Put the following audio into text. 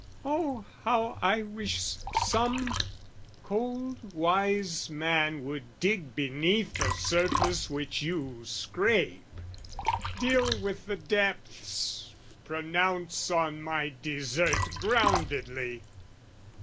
Oh, how I wish some cold wise man Would dig beneath the surface which you scrape, Deal with the depths, pronounce on my desert Groundedly!